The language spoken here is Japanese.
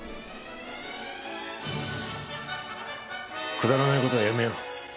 くだらない事はやめよう。